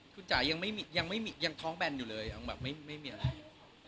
คุณจ๋ายังท้องแบรนด์อยู่เลยไม่มีอะไร